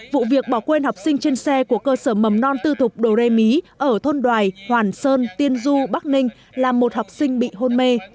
vụ việc bỏ quên học sinh trên xe của cơ sở mầm non tư thục đồ rê mí ở thôn đoài hoàn sơn tiên du bắc ninh làm một học sinh bị hôn mê